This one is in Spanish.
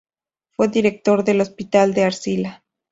Fue director del hospital de Arcila.